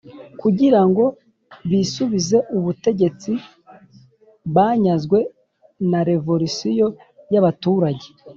kugira ngo bisubize ubutegetsi banyazwe na revolisiyo y’abaturage